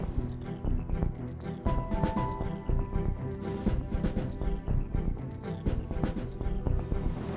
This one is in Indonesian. bagaimana bisa tahu